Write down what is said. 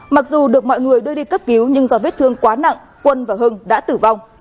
mặc dù được mọi người đưa đi cấp cứu nhưng do vết thương quá nặng quân và hưng đã tử vong